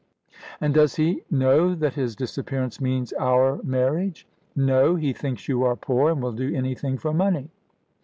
"And does he know that his disappearance means our marriage?" "No! He thinks you are poor, and will do anything for money."